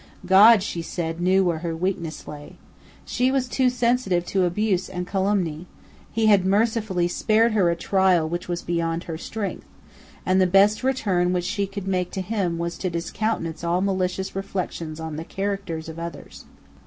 God, she said, knew where her weakness lay. She was too sensitive to abuse and calumny; He had mercifully spared her a trial which was beyond her strength; and the best return which she could make to Him was to discountenance all malicious reflections on the characters of others.